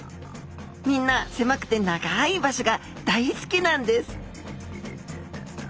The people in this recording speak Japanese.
みんなせまくて長い場所が大好きなんです